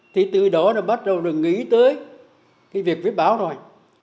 thì từ đó là bắt đầu được nghĩ tới cái việc viết báo rồi